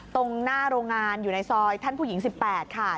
ตรงหน้าโรงงานอยู่ในซอยท่านผู้หญิง๑๘ค่ะ